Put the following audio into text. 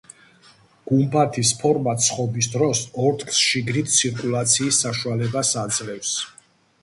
გუმბათის ფორმა ცხობის დროს ორთქლს შიგნით ცირკულაციის საშუალებას აძლევს.